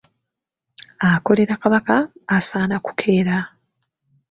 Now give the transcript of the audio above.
Akolera Kabaka asaana kukeera.